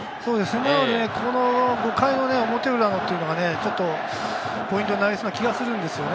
だからね、この５回の表裏というのはポイントになりそうな気がするんですよね。